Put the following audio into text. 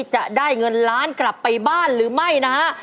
จะได้เงินล้านกลับไปบ้านหรือไม่นะฮะ